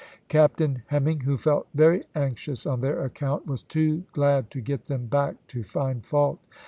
Captain Hemming, who felt very anxious on their account, was too glad to get them back to find fault.